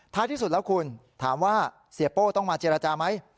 ที่สุดแล้วคุณถามว่าเสียโป้ต้องมาเจรจาไหม